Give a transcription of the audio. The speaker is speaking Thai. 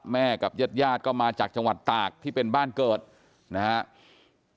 กับญาติญาติก็มาจากจังหวัดตากที่เป็นบ้านเกิดนะครับ